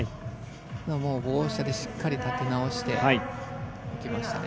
棒下でしっかり立て直していきましたね。